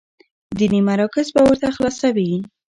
ديني مراکز به ورته خلاصوي،